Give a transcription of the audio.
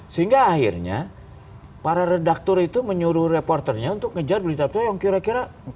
sehingga akhirnya para redaktor itu menyuruh reporternya untuk ngejar berita berita yang kira kira